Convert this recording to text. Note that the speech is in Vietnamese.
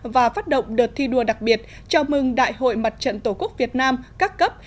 và phát động đợt thi đua đặc biệt chào mừng đại hội mặt trận tổ quốc việt nam các cấp